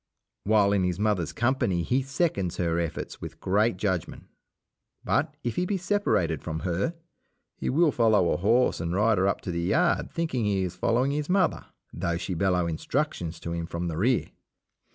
While in his mother's company he seconds her efforts with great judgment. But, if he be separated from her, he will follow a horse and rider up to the yard thinking he is following his mother, though she bellow instructions to him from the rear.